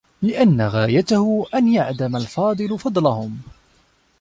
لِأَنَّ غَايَتَهُ أَنْ يَعْدَمَ الْأَفَاضِلُ فَضْلَهُمْ